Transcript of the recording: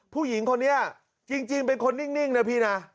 ผู้หญิงคนนี้จริงเป็นคนนิ่งนะพี่นะ